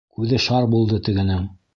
Күҙе шар булды тегенең: